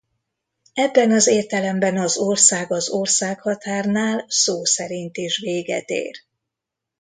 Ebben az értelemben az ország az országhatárnál szó szerint is véget ér.